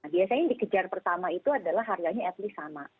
biasanya yang dikejar pertama itu adalah harganya at least sama